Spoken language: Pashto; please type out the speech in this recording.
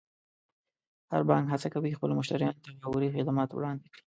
هر بانک هڅه کوي خپلو مشتریانو ته باوري خدمات وړاندې کړي.